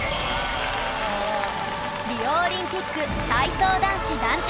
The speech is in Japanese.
リオオリンピック体操男子団体